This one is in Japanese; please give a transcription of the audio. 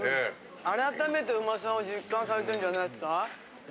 改めてうまさを実感されてるんじゃないですか。